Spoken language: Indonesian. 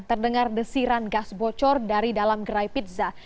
terdengar desiran gas bocor dari dalam gerai pizza